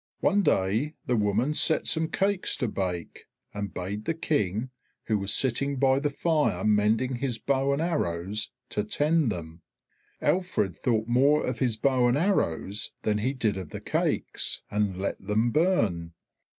One day the woman set some cakes to bake, and bade the King, who was sitting by the fire mending his bow and arrows, to tend them. Alfred thought more of his bow and arrows than he did of the cakes, and let them burn.